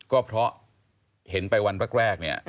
ก็เพราะเห็นไปวันแรกเนี่ย